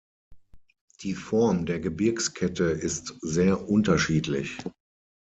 Die Form der Gebirgskette ist sehr unterschiedlich.